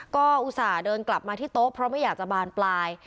ก็อุตส่าห์เดินกลับมาที่โต๊ะเพราะไม่อยากจะบานปลาย